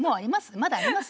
まだあります？